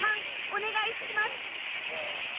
「３」お願いします